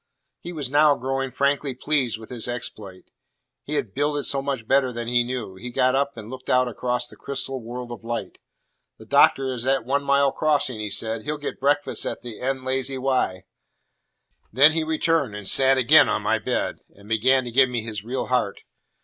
He was now growing frankly pleased with his exploit. He had builded so much better than he knew. He got up and looked out across the crystal world of light. "The Doctor is at one mile crossing," he said. "He'll get breakfast at the N lazy Y." Then he returned and sat again on my bed, and began to give me his real heart.